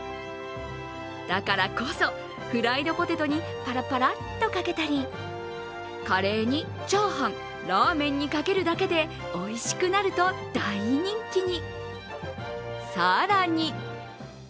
だからこそ、フライドポテトにパラパラッとかけたり、カレーにチャーハン、ラーメンにかけるだけでおいしくなると大人気に。